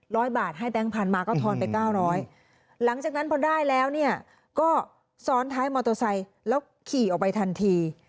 ร้อยบาทให้แบงค์พันธุ์มาก็ทอนไปเก้าร้อยหลังจากนั้นพอได้แล้วเนี่ยก็ซ้อนท้ายมอเตอร์ไซค์แล้วขี่ออกไปทันที